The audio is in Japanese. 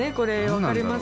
分かります。